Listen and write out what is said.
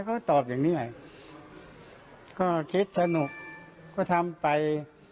เขาก็ตอบอย่างนี้แหละก็คิดสนุกก็ทำไป